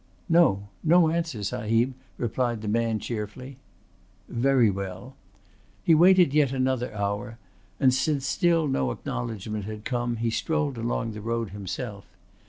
"No. No answer, Sahib," replied the man cheerfully. "Very well." He waited yet another hour, and since still no acknowledgment had come he strolled along the road himself.